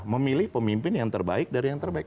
memilih pemimpin yang terbaik dari yang terbaik